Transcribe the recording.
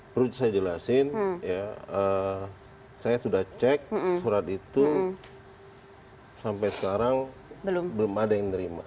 perlu saya jelasin saya sudah cek surat itu sampai sekarang belum ada yang nerima